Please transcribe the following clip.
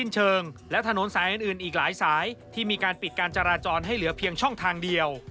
จะราจรให้เหลือเพียงช่องทางเดียว